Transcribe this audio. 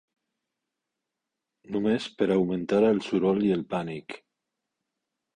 Només per augmentar el soroll i el pànic